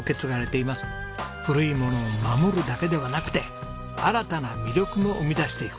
古いものを守るだけではなくて新たな魅力も生み出していく。